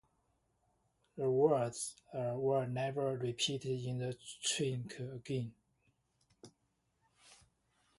The words were never repeated in the track again.